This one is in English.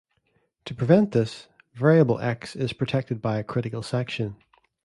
To prevent this, variable 'x' is protected by a critical section.